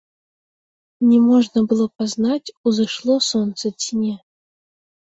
Не можна было пазнаць, узышло сонца ці не.